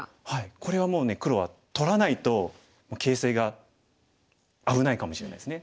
これはもう黒は取らないと形勢が危ないかもしれないですね。